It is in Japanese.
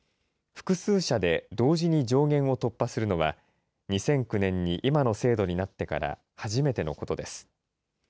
複数社で同時に上限を突破するのは、２００９年に今の制度になってから初めてのことです。